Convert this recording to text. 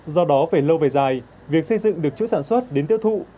do đó về lâu về dài việc xây dựng được chuỗi sản xuất đến tiêu thụ